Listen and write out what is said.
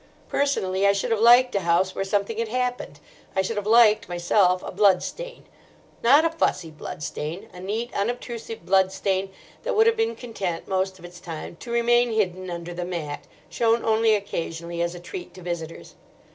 "Personally, I should have liked a house where something had happened. I should have liked, myself, a blood stain—not a fussy blood stain, a neat unobtrusive blood stain that would have been content, most of its time, to remain hidden under the mat, shown only occasionally as a treat to visitors.